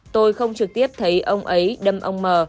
tôi không trực tiếp thấy ông ấy đâm ông mờ